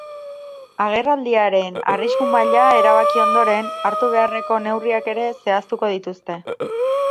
Agerraldiaren arrisku maila erabaki ondoren, hartu beharreko neurriak ere zehaztuko dituzte.